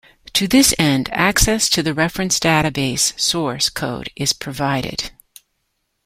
To this end, access to the reference database source code is provided.